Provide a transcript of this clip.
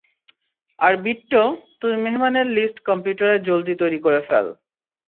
আর বিট্টো, তুই মেহমানের লিস্ট কম্পিউটারে জলদি তৈরি করে ফেল।